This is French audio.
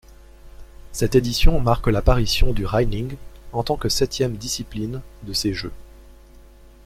Cette édition marque l'apparition du reining en tant que septième discipline de ces jeux.